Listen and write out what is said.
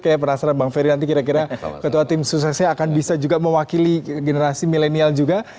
kayak penasaran bang ferry nanti kira kira ketua tim suksesnya akan bisa juga mewakili generasi milenial juga